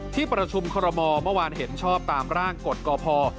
ที่ประชุมคอรมอลเมื่อวานเห็นชอบตามร่างกฎกพ